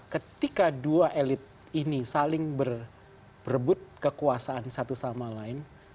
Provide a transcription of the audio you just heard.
ketika dua elit ini saling berebut kekuasaan satu sama lain